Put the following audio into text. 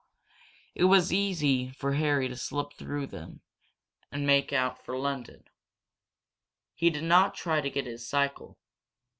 It was quite easy for Harry to slip through them and make for London. He did not try to get his cycle.